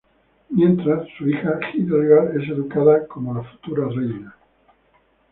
Mientras, su hija Hildegard es educada como la futura reina.